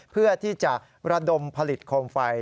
เพื่อที่จะระดมผลิตโคมไฟ